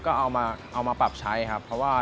ก็เอามาปรับใช้ครับเพราะว่า